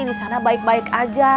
disana baik baik aja